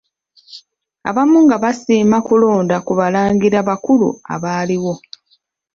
Abamu nga basiima kulonda ku Balangira bakulu abaaliwo.